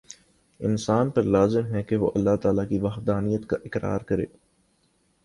انسان پر لازم ہے کہ وہ اللہ تعالی کی وحدانیت کا اقرار کرے